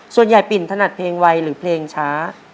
ส่วนใหญ่ปิ่นถนัดเพลงไวหรือเพลงช้า